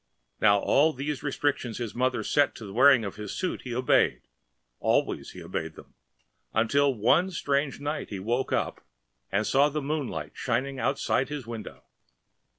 Now all these restrictions his mother set to the wearing of his suit he obeyed, always he obeyed them, until one strange night he woke up and saw the moonlight shining outside his window.